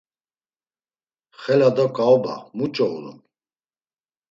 Xela do ǩaoba, muç̌o ulun.